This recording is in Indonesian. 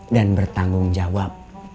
dan bertanggung jawab